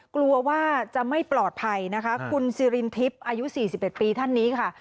กลัวว่าจะไม่ปลอดภัยนะคะคุณซิรินทิพย์อายุ๔๑ปีท่านนี้ค่ะ